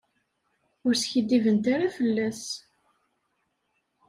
Ur skiddibent ara fell-as.